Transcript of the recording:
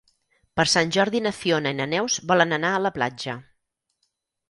Per Sant Jordi na Fiona i na Neus volen anar a la platja.